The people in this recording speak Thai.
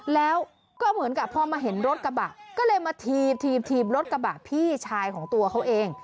แล้วก็เหมือนกับพอมาเห็นรถกระบะก็เลยมาถีบรถกระบะพี่ชายของตัวเขาเอง